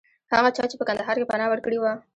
هغه چا چې په کندهار کې پناه ورکړې وه.